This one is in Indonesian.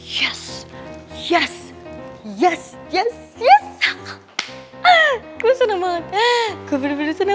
kamu mendapatkan hidayah